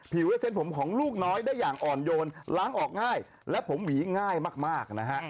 และเส้นผมของลูกน้อยได้อย่างอ่อนโยนล้างออกง่ายและผมหวีง่ายมากนะฮะ